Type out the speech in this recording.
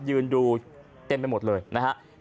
ยืนดูเต็มไปหมดเลยนะครับ